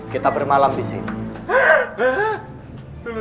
kita bermalam disini